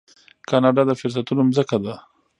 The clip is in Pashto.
کاناډا د فرصتونو ځمکه ده.